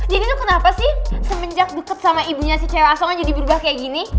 jadi lu kenapa sih semenjak deket sama ibunya si cewek asongnya jadi berubah kayak gini